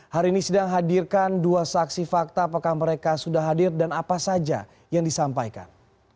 hari ini sedang hadirkan dua saksi fakta apakah mereka sudah hadir dan apa saja yang disampaikan